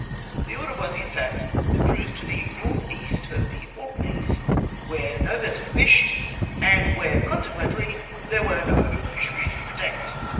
The order was, in fact, to cruise to the N. E. of the Orkneys, where no vessel fished, ayid where consequently there were no fisheries to protect